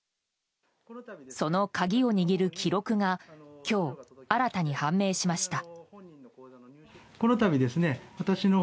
その鍵を握る記録が今日新たに判明しました。